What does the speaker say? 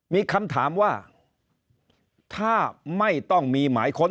มีคำถามว่าถ้าไม่ต้องมีหมายค้น